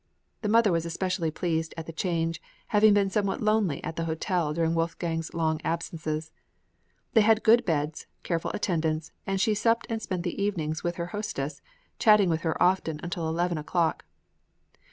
The mother was especially pleased at the change, having been somewhat lonely at the hotel during Wolfgang's long absences. They had good beds, careful attendance, and she supped and spent the evenings with her hostess, chatting with her often until eleven o'clock.